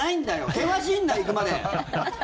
険しいんだよ、行くまで！